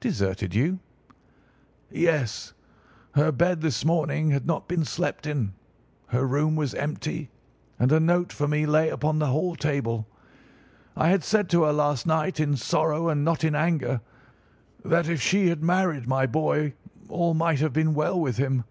"Deserted you?" "Yes. Her bed this morning had not been slept in, her room was empty, and a note for me lay upon the hall table. I had said to her last night, in sorrow and not in anger, that if she had married my boy all might have been well with him.